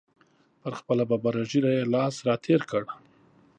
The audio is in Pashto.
پر خپله ببره ږیره یې لاس را تېر کړ.